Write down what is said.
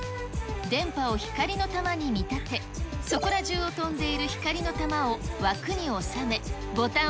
電波を光の玉に見立て、そこら中を飛んでいる光の玉を枠に収め、スタート。